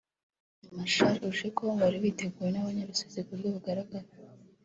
Marchal Ujeko wari witeguwe n’abanyarusizi kuburyo bugaragara